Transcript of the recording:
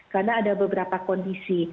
karena ada beberapa kondisi